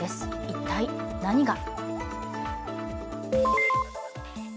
一体、何が。